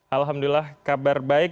alhamdulillah kabar baik